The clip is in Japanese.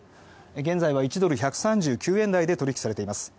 現在は１ドル＝１３９円台で取引されています。